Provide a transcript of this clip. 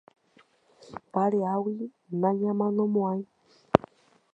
Vare'águi nañamanomo'ãi.